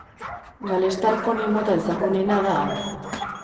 Galestar poni mota ezagunena da hau.